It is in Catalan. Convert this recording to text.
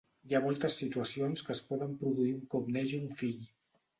Hi ha moltes situacions que es poden produir un cop neix un fill.